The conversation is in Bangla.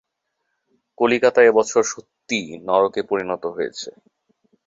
কলিকাতা এ বছর সত্যি নরকে পরিণত হয়েছে।